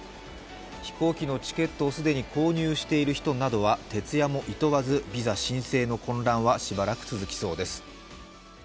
飛行機のチケットを既に購入している人などは徹夜もいとわずビザ申請の混乱はしばらく続きそうです。